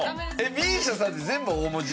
ＭＩＳＩＡさんって全部大文字？